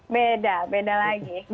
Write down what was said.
beda beda lagi